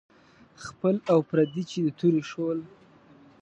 خپل او پردي چې د تورې شول.